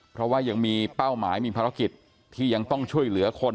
เพราะว่ายังมีเป้าหมายมีภารกิจที่ยังต้องช่วยเหลือคน